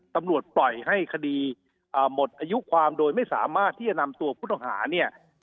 ตำรวจปล่อยให้คดีหมดอายุความโดยไม่สามารถที่จะนำตัวผู้ต้องหาเนี่ย